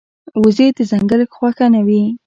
وزې د ځنګل خوښه نه وي